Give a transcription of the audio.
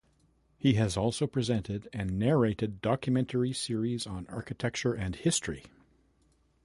He has also presented and narrated documentary series on architecture and history.